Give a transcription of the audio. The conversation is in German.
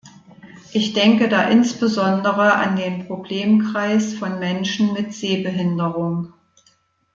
Ich denke da insbesondere an den Problemkreis von Menschen mit Sehbehinderung.